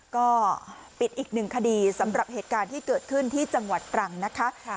ก็ปิดอีกหนึ่งคดีสำหรับเหตุการณ์ที่เกิดขึ้นที่จังหวัดตรังนะคะ